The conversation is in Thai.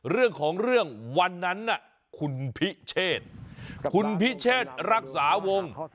เรื่องของเรื่องวันนั้นคุณพิเชษคุณพิเชษรักษาวง